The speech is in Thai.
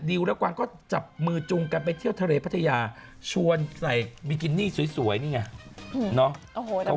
และกวางก็จับมือจุงกันไปเที่ยวทะเลพัทยาชวนใส่บิกินี่สวยนี่ไง